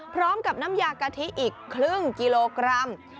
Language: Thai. พร้อมกับน้ำยากะทิอีกครึ่งกิโลกรัม